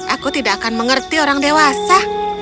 aku tidak akan mengerti orang dewasa